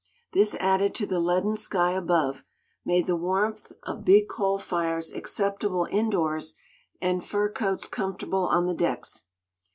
This added to the leaden sky above, made the warmth of big coal fires acceptable indoors, and fur coats comfortable on the decks.